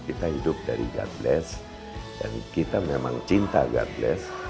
kita hidup dari god bless dan kita memang cinta god bless